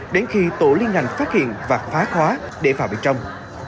đến khi tổ liên ngành phát hiện và phá khóa để vào bên trong